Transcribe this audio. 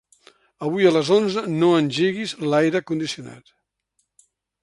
Avui a les onze no engeguis l'aire condicionat.